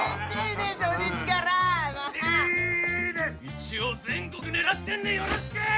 一応全国狙ってんでよろしくー！